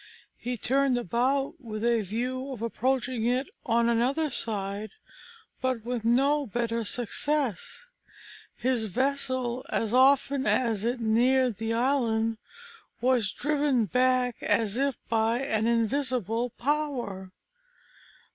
He turned about with a view of approaching it on another side, but with no better success; his vessel, as often as it neared the island, was driven back as if by an invisible power.